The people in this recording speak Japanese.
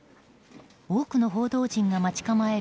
多くの報道陣が待ち構える